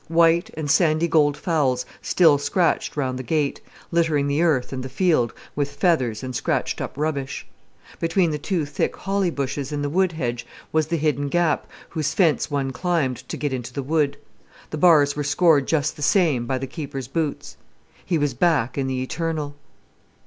White and sandy gold fowls still scratched round the gate, littering the earth and the field with feathers and scratched up rubbish. Between the two thick holly bushes in the wood hedge was the hidden gap, whose fence one climbed to get into the wood; the bars were scored just the same by the keeper's boots. He was back in the eternal.